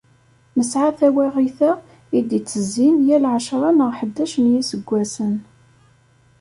Nesεa tawaɣit-a i d-ittezzin yal εecra neɣ ḥdac n yiseggasen.